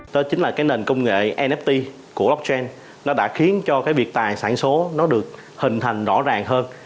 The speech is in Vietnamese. đó chính là cái nền công nghệ nft của blockchain nó đã khiến cho cái việc tài sản số nó được hình thành rõ ràng hơn